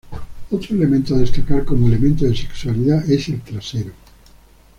Otro elemento a destacar como elemento de sexualidad es el trasero.